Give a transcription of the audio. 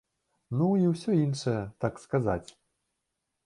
Ну і ўсё іншае, так сказаць.